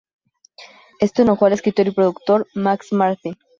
Esto enojó al escritor y productor Max Martin.